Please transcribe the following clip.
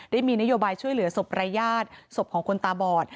ได้มีนโยบายช่วยเหลือศพรายญาติศพของคนตาบอด